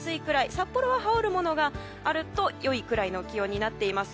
札幌は羽織るものがあると良いくらいの気温になっています。